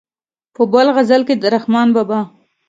په بل غزل کې د رحمان بابا.